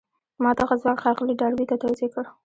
ما دغه ځواک ښاغلي ډاربي ته توضيح کړ.